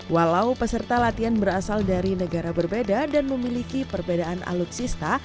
walau peserta latihan berasal dari negara berbeda dan memiliki perbedaan alutsista